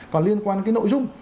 còn liên quan đến cái nội dung